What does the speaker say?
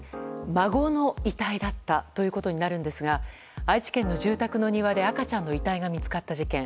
孫の遺体だったということになるんですが愛知県の住宅の庭で赤ちゃんの遺体が見つかった事件。